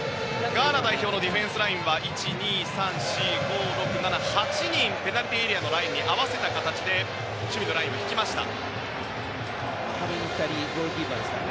ガーナ代表のディフェンスラインは８人ペナルティーエリアのラインに合わせた形で守備のラインを引きました。